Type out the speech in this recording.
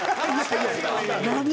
何？